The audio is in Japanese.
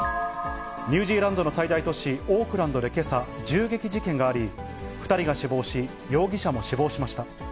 ニュージーランドの最大都市、オークランドでけさ、銃撃事件があり、２人が死亡し、容疑者も死亡しました。